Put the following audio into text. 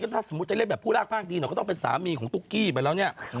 ถ้าจะเรียกผู้รากภาคดีเราก็ต้องเป็นสามีของตุ๊กกี้ไปแล้วเนี่ย